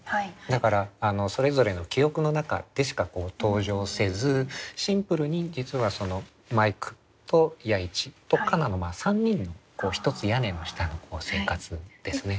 だからそれぞれの記憶の中でしか登場せずシンプルに実はマイクと弥一と夏菜の３人のひとつ屋根の下の生活ですね。